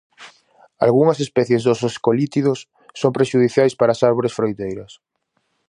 Algunhas especies dos escolítidos son prexudiciais para as árbores froiteiras.